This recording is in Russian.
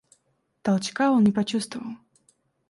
Толчка он не почувствовал.